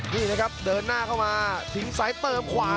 นี่นะครับเดินหน้าเข้ามาทิ้งซ้ายเติมขวา